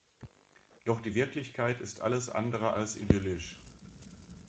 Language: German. Doch die Wirklichkeit ist alles andere als idyllisch.